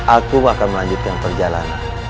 aku akan melanjutkan perjalanan